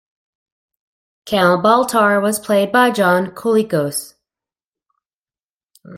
Count Baltar was played by John Colicos.